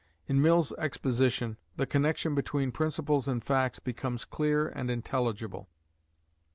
In Mill's exposition, the connection between principles and facts becomes clear and intelligible.